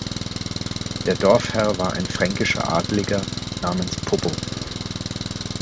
Der Dorfherr war ein fränkischer Adeliger namens Poppo.